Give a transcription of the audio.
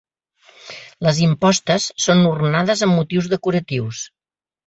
Les impostes són ornades amb motius decoratius.